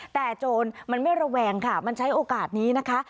แต่โจรมันไม่ระแวงค่ะมันใช้โอกาสนี้นะคะ